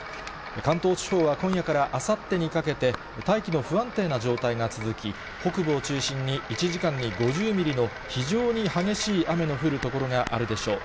関東地方は今夜からあさってにかけて、大気の不安定な状態が続き、北部を中心に１時間に５０ミリの非常に激しい雨の降る所があるでしょう。